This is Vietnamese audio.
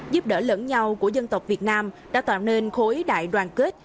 giúp đỡ lẫn nhau của dân tộc việt nam đã tạo nên khối đại đoàn kết